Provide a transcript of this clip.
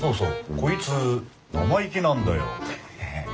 こいつ生意気なんだよへへっ。